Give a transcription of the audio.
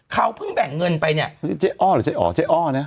เขาเพิ่งแบ่งเงินไปเนี่ยเจ๊อ้อหรือเจ๊อ๋อเจ๊อ้อนะ